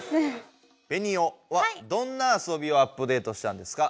ベニオはどんな遊びをアップデートしたんですか？